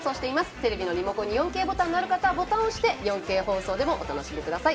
テレビのリモコンに４Ｋボタンがある方はボタンを押して４Ｋ放送でもお楽しみください。